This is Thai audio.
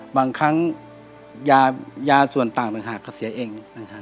บางครั้งยาส่วนต่างต่างหากเขาเสียเอง